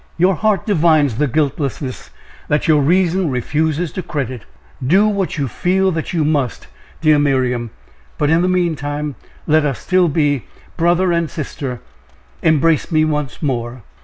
Your heart divines the guiltlessness that your reason refuses to credit! Do what you feel that you must, dear Miriam but, in the meantime, let us still be brother and sister embrace me once more."